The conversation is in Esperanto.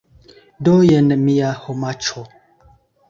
Do jen mia homaĉo.